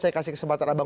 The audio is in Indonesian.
saya kasih kesempatan